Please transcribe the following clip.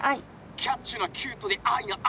キャッチュなキュートでアイがアイ！